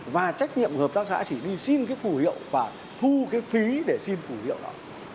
và trách nhiệm của hợp tác xã chỉ đi xin cái phù hiệu và thu cái phí để xin phù hiệu đó